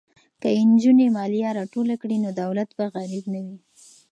که نجونې مالیه راټوله کړي نو دولت به غریب نه وي.